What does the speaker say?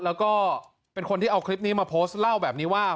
แล้วก็เป็นคนที่เอาคลิปนี้มาโพสต์เล่าแบบนี้ว่า